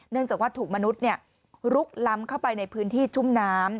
จากว่าถูกมนุษย์ลุกล้ำเข้าไปในพื้นที่ชุ่มน้ำ